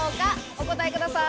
お答えください。